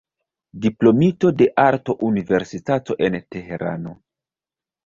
Diplomito de Arto-Universitato en Teherano.